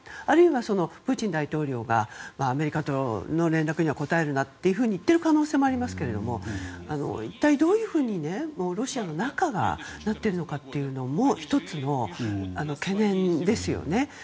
あるいはプーチン大統領がアメリカとの連絡には答えるなと言っている可能性もありますが一体どういうふうにロシアの中がなっているのかというのも１つの懸念ですよね。